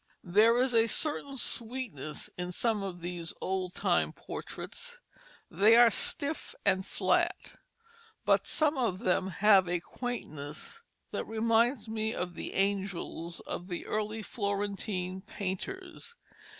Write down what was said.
There is a certain sweetness in some of these old time portraits; they are stiff and flat, but some of them have a quaintness that reminds me of the angels of the early Florentine painters.